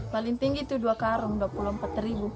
paling tinggi itu dua karung dua puluh empat ribu